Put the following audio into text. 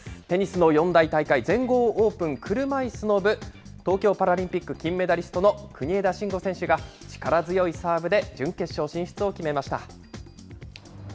テニスの四大大会、全豪オープン車いすの部、東京パラリンピック金メダリストの国枝慎吾選手が、力強いサーブで準決勝進出を決めました。